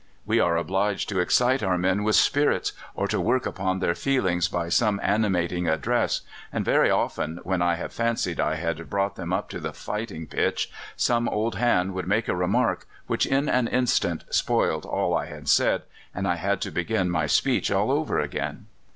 We are obliged to excite our men with spirits, or to work upon their feelings by some animating address; and very often, when I have fancied I had brought them up to the fighting pitch, some old hand would make a remark which in an instant spoilt all I had said, and I had to begin my speech all over again."